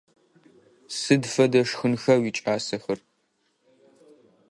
Сыд фэдэ шхынха уикӏасэхэр?